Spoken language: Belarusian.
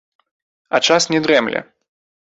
А час не дрэмле.